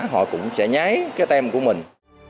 họ cũng sẽ nhái cái tem của mình